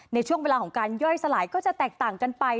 ในช่วงเวลาของการย่อยสลายก็จะแตกต่างกันไป